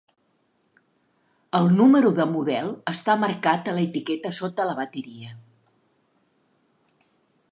El número de model està marcat a l'etiqueta sota la bateria.